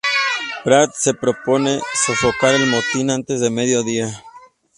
Prats se propone sofocar el motín antes de mediodía.